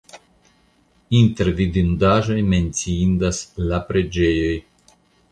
Inter vidindaĵoj menciindas la preĝejoj.